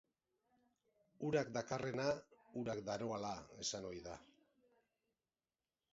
Urak dakarrena urak daroala esan ohi da.